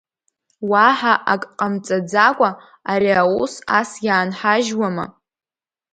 Уаҳа ак ҟамҵаӡакәа, ари аус ас иаанҳажьуама?